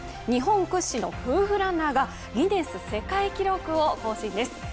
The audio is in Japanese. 日本屈指の世界ランナーがギネス世界記録を更新です。